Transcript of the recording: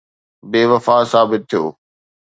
بي وفا ثابت ٿيو